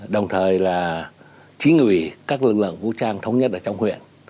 đồng thời là chính ủy các lực lượng vũ trang thống nhất ở trong huyện